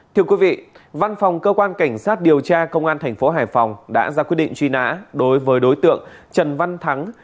thưa quý vị văn phòng cơ quan cảnh sát điều tra công an thành phố hải phòng đã ra quyết định truy nã đối với đối tượng trần văn thắng